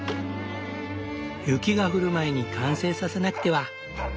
雪が降る前に完成させなくては。